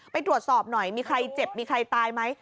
ไปตรวจสอบหน่อยมีใครเจ็บมีใครตายไหม